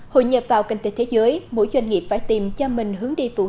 hội nhập vào kinh tế thế giới mỗi doanh nghiệp phải tìm cho mình hướng đi phù hợp